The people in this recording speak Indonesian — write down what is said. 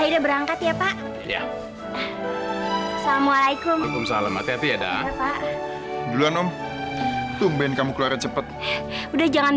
terima kasih tante pak